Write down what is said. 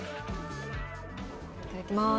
いただきます。